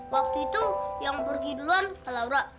waktu itu yang pergi duluan ke laura